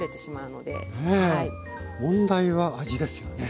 問題は味ですよね。